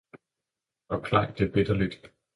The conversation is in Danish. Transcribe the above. Og klang det bitterligt.